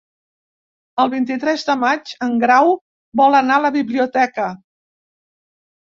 El vint-i-tres de maig en Grau vol anar a la biblioteca.